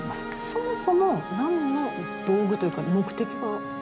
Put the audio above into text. そもそも何の道具というか目的は？